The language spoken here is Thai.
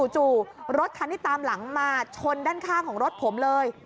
จู่รถคันที่ตามหลังมาชนด้านข้างของรถผมเลย